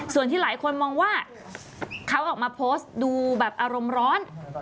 ส่วนที่หลายคนมองว่าเขาออกมาโพสต์ดูแบบอารมณ์ร้อน